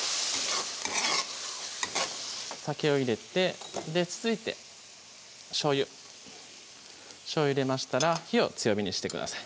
酒を入れて続いてしょうゆしょうゆ入れましたら火を強火にしてください